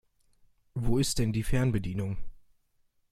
Wo ist denn die Fernbedienung?